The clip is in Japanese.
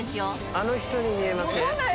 あの人に見えません？